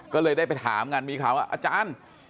ก็เลยได้ไปถามกันมีข่าวว่าอาจารย์